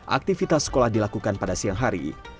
aktivitas sekolah dilakukan pada siang hari